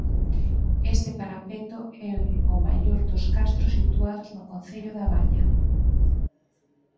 Este parapeto é o maior dos castros situados no concello da Baña.